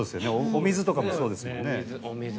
お水とかもそうですもんね。